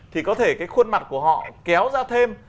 thì có thể cái khuôn mặt của họ kéo ra thêm